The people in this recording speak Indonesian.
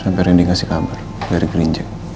sampe rindy kasih kabar dari kerinjek